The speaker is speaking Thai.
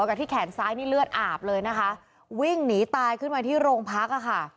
ในแขนซ้ายเลือดอาบเลยนะคะวิ่งหนีตายขึ้นมาที่โรงพัก